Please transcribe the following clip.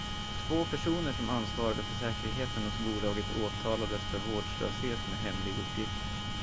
Två personer som ansvarade för säkerheten hos bolaget åtalades för vårdslöshet med hemlig uppgift.